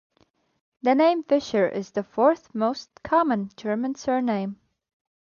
The name Fischer is the fourth most common German surname.